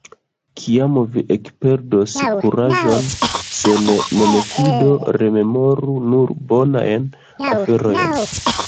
Kiam vi ekperdos kuraĝon sen memfido, rememoru nur bonajn aferojn.